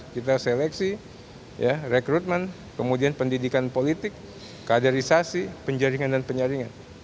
kita seleksi rekrutmen kemudian pendidikan politik kaderisasi penjaringan dan penyaringan